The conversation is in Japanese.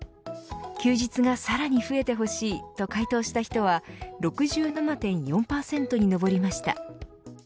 休日がさらに増えてほしいと回答した人は６７．４％に上りました。